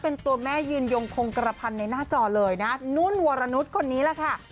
ในหน้าจอเลยนะนุ่นวรนุษย์คนนี้แหละค่ะ